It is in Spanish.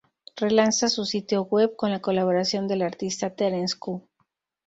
Relanza su sitio web con la colaboración del artista Terence Koh.